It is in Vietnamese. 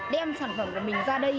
đem sản phẩm của mình ra đây